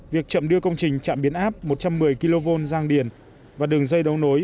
việc chậm đưa công trình trạm biến áp một trăm một mươi kv giang điển và đường dây đấu nối